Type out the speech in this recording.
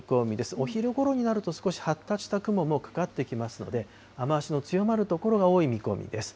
お昼ごろになると少し発達した雲もかかってきますので、雨足の強まる所が多い見込みです。